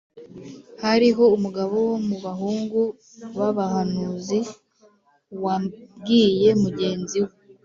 Hariho umugabo wo mu bahungu b’abahanuzi wabwiye mugenzi we